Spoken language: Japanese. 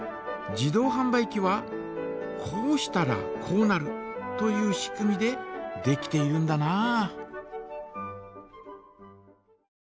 自動はん売機はこうしたらこうなるという仕組みでできているんだな。